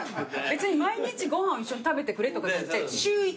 別に毎日ご飯を一緒に食べてくれとかじゃなくて週１。